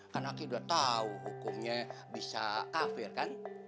karena aki udah tau hukumnya bisa kafir kan